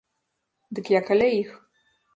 Дык я каля іх.